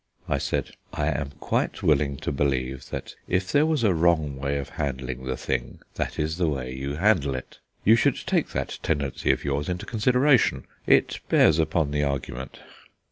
I said: "I am quite willing to believe that if there was a wrong way of handling the thing that is the way you handle it. You should take that tendency of yours into consideration; it bears upon the argument.